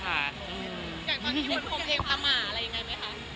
อย่างความที่บนโครงเพลงประหมาอะไรยังไงไหมคะ